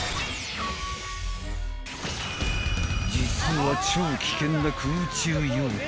［実は超危険な空中妖怪］